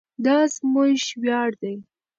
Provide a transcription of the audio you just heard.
دا زموږ ویاړ دی.